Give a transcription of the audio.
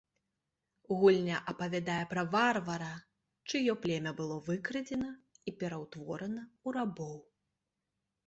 Гульня апавядае пра варвара, чыё племя было выкрадзена і пераўтворана ў рабоў.